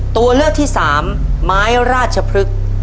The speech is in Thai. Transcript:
ตัวเลือกที่สามไม้ราชพฤกษ์